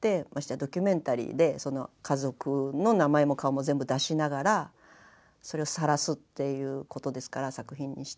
ドキュメンタリーでその家族の名前も顔も全部出しながらそれをさらすっていうことですから作品にして。